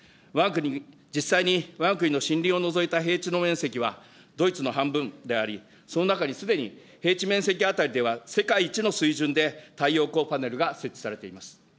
実際にわが国の森林を除いた平地の面積は、ドイツの半分であり、その中にすでに平地面積当たりでは、世界一の水準で太陽光パネルが設置されています。